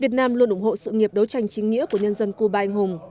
việt nam luôn ủng hộ sự nghiệp đấu tranh chính nghĩa của nhân dân cuba anh hùng